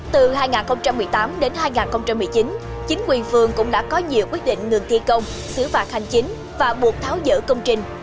từ hai nghìn một mươi tám đến hai nghìn một mươi chín chính quyền phường cũng đã có nhiều quyết định ngừng thi công xứ phạt hành chính và buộc tháo dở công trình